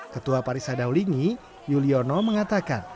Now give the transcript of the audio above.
ketua parisa daulingi yuliono mengatakan